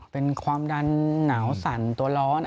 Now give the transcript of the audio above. เป็นความดันเหงาสั่นตัวร้อน